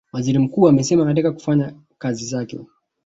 Waziri Mkuu amesema katika kufanya kazi zake